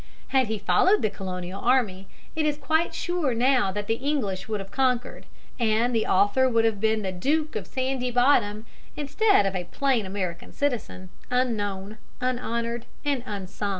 Had he followed the Colonial army, it is quite sure now that the English would have conquered, and the author would have been the Duke of Sandy Bottom, instead of a plain American citizen, unknown, unhonored, and unsung.